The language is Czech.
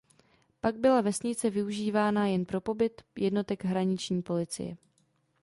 Pak byla vesnice využívána jen pro pobyt jednotek hraniční policie.